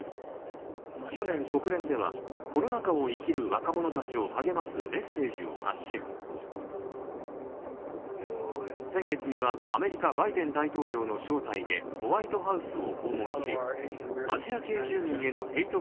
去年国連ではコロナ禍を生きる若者たちを励ますメッセージを発信、先月には、アメリカバイデン大統領の招待でホワイトハウスを訪問し、アジア系住民へのヘイト